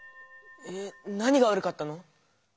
えっ何がわるかったの？